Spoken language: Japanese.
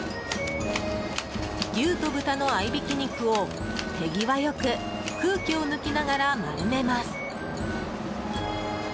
牛と豚の合いびき肉を、手際良く空気を抜きながら丸めます。